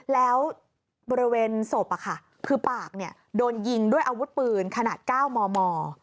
แล้วบริเวณศพคือปากโดนยิงด้วยอาวุธปืนขนาด๙มม